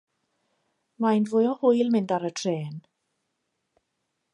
Mae'n fwy o hwyl mynd ar y trên.